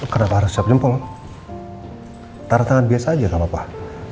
kenapa harus cap jempol taras tangan biasa aja kan bapak